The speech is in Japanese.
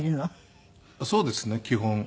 そうですね基本。